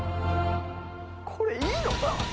これいいのかな？